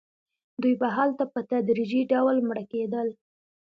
دوی به هلته په تدریجي ډول مړه کېدل.